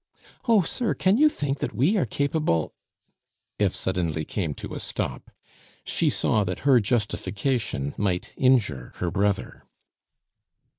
"Oh, sir, can you think that we are capable " Eve suddenly came to a stop. She saw that her justification might injure her brother.